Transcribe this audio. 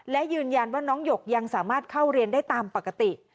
และยืนยันว่าน้องหยกยังสามารถเข้าเรียนได้ตามปกติ